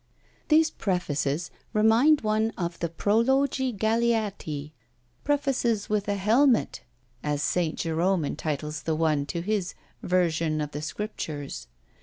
These prefaces remind one of the prologi galeati, prefaces with a helmet! as St. Jerome entitles the one to his Version of the Scriptures.